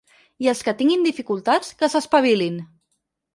I els qui tinguin dificultats, que s’espavilin!